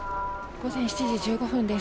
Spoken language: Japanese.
午前７時１５分です。